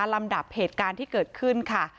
ลำดับเหตุการณ์ที่เกิดขึ้นค่ะ